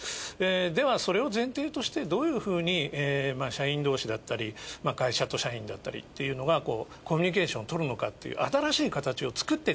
ではそれを前提としてどういうふうに社員どうしだったり会社と社員だったりっていうのがコミュニケーションとるのかっていう。